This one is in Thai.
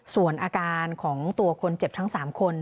ส่วนอาการของตัวคนเจ็บทั้ง๓คน